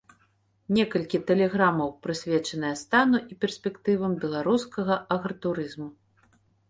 Некалькі тэлеграмаў прысвечаныя стану і перспектывам беларускага агратурызму.